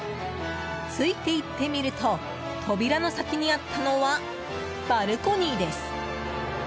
ついて行ってみると扉の先にあったのはバルコニーです。